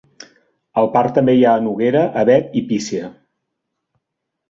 Al parc també hi ha noguera, avet i pícea.